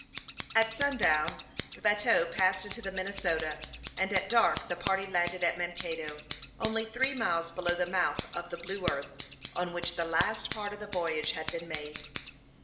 At sundown the bateau passed into the Minnesota, and at dark the party landed at Mankato, only three miles below the mouth of the Blue Earth, on which the last part of the voyage had been made.